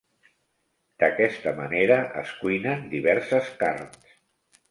D'aquesta manera es cuinen diverses carns.